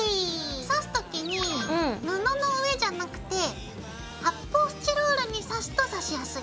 刺す時に布の上じゃなくて発泡スチロールに刺すと刺しやすい。